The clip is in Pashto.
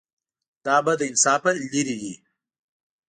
دا به له انصافه لرې وي.